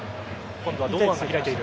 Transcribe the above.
今度は堂安が開いている。